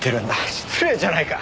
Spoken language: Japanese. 失礼じゃないか！